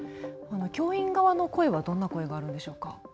教員側の声はどんな声があるんでしょうか。